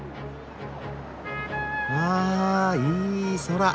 わいい空。